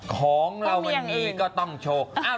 ของเราวันนี้ก็ต้องโชว์